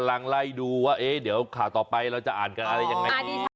แล้วก็ใกล้ถือว่าเดี๋ยวข่าวต่อไปเราจะอ่านก็อาจจะ